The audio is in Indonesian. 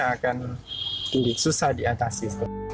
tangguhannya akan susah diatasi